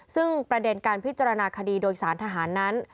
ซึ่งประเด็นการพิจารณาคดีโดยสารทหารนั้น